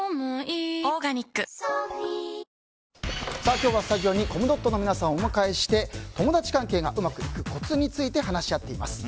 今日はスタジオにコムドットの皆さんをお迎えして友達関係がうまくいくコツについて話し合っています。